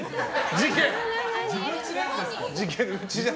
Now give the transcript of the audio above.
事件。